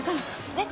ねっ？